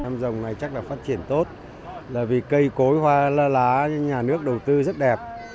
năm rồng này chắc là phát triển tốt là vì cây cối hoa la lá nhà nước đầu tư rất đẹp